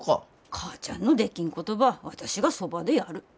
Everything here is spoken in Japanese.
母ちゃんのできんことば私がそばでやる。